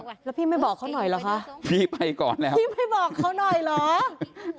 แล้วพี่ไม่บอกเขาหน่อยเหรอคะพี่ไปก่อนแล้วพี่ไม่บอกเขาหน่อยเหรอ